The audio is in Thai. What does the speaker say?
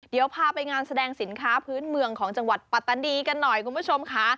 เดี๋ยวพาไปงานแสดงสินค้าพื้นเมืองของจังหวัดปัตตานีกันหน่อยคุณผู้ชมค่ะ